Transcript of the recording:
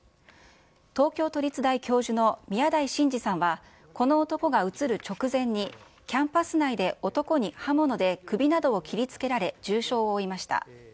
東京都立大教授の宮台真司さんはこの男が写る直前に、キャンパス内で男に刃物で首などを切りつけられ、重傷を負いました。